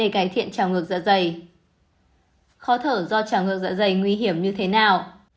khó thở do trào ngược dạ dày nguy hiểm như thế nào